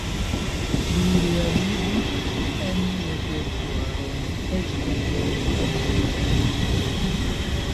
Li realigis en repertuaron eĉ komponiston de la tn.